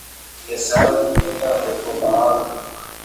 Nimesahau kuleta mkoba wangu